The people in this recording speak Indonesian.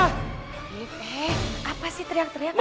hei pek apa sih teriak teriaknya